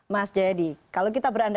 mas jayadi kalau kita berandai andai